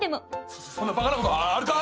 そそそんなバカなことあるか！